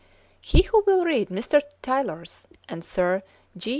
He who will read Mr. Tylor's and Sir J.